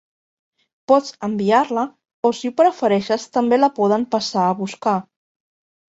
Pots enviar-la o si ho prefereixes també la poden passar a buscar.